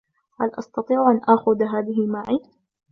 هل أستطيع أن آخذ هذهِ معي؟